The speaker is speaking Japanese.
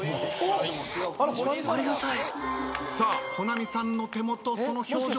さあ保奈美さんの手元その表情